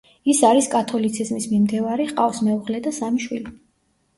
ის არის კათოლიციზმის მიმდევარი, ჰყავს მეუღლე და სამი შვილი.